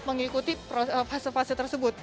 dan mengikuti proses proses tersebut